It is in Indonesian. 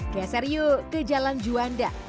geser yuk ke jalan juanda